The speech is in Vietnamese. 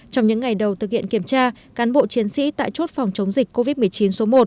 trong những ngày đầu thực hiện kiểm tra cán bộ chiến sĩ tại chốt phòng chống dịch covid một mươi chín số một